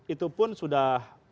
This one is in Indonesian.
itu pun sudah